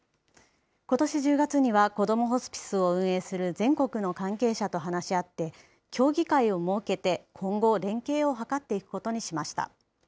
ことし１０月には、こどもホスピスを運営する全国の関係者と話し合って、協議会を設けて、今後、連携を図っていくことにしました。